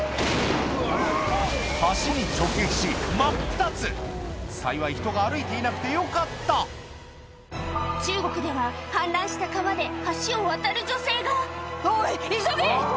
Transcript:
橋に直撃し真っ二つ幸い人が歩いていなくてよかった中国では氾濫した川で橋を渡る女性が「おい急げ！」